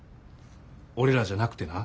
俺らじゃなくてな。